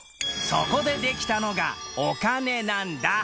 そこでできたのがお金なんだ！